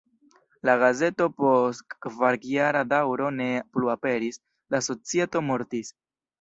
La gazeto post kvarjara daŭro ne plu aperis, la societo mortis.